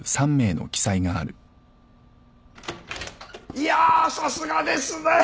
いやさすがですね！